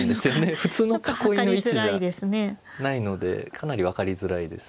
普通の囲いの位置じゃないのでかなり分かりづらいです。